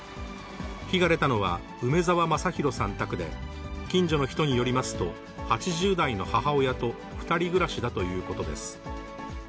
火が出たのは梅沢政博さん宅で、近所の人によりますと、８０代の母親と２人暮らしだということです。